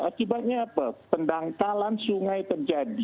akibatnya apa pendangkalan sungai terjadi